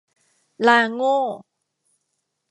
ลาโง่